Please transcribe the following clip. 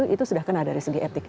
itu sudah kena dari segi etik